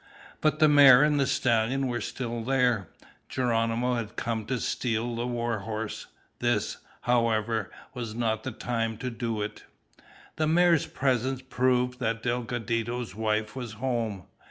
But the mare and the stallion were still there. Geronimo had come to steal the war horse. This, however, was not the time to do it. The mare's presence proved that Delgadito's wife was home.